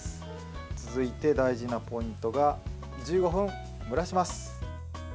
続いて大事なポイントが１５分蒸らします。